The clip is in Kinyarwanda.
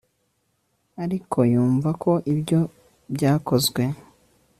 ariko yumva ko ibyo byakozwe